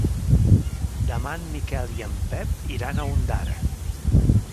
Demà en Miquel i en Pep iran a Ondara.